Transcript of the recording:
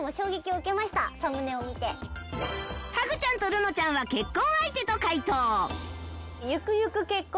ハグちゃんとるのちゃんは結婚相手と解答